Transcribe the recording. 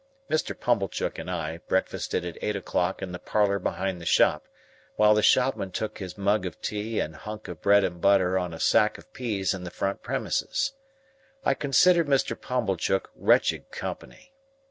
Mr. Pumblechook and I breakfasted at eight o'clock in the parlour behind the shop, while the shopman took his mug of tea and hunch of bread and butter on a sack of peas in the front premises. I considered Mr. Pumblechook wretched company.